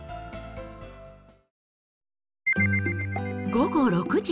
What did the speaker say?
午後６時。